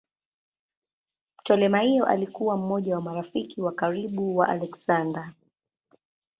Ptolemaio alikuwa mmoja wa marafiki wa karibu wa Aleksander.